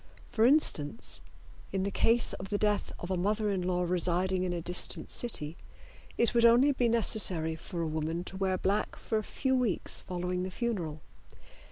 For instance, in the case of the death of a mother in law residing in a distant city, it would only be necessary for a woman to wear black for a few weeks following the funeral.